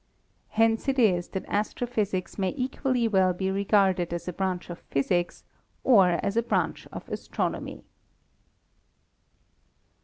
Hence it is that astrophysics may equally well be regarded as a branch of physics or as a branch of astrono my."